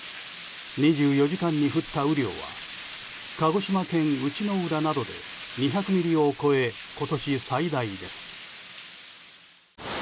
２４時間に降った雨量は鹿児島県内之浦などで２００ミリを超え今年最大です。